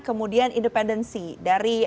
kemudian independensi dari